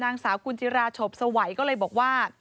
นางสาวกุญจิราฉบสวัยก็เลยบอกว่า